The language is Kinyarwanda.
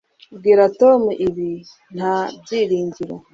Bwira Tom ibi nta byiringiro